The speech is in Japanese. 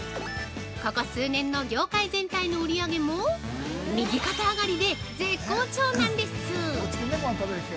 ここ数年の業界全体の売り上げも右肩上がりで絶好調なんです。